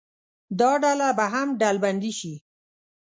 دا ډله به هم ډلبندي شي.